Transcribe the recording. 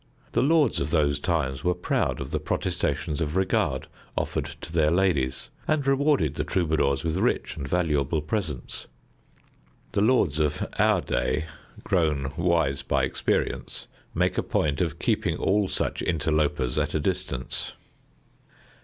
The lords of those times were proud of the protestations of regard offered to their ladies, and rewarded the Troubadours with rich and valuable presents. The lords of our day, grown wise by experience, make a point of keeping all such interlopers at a distance.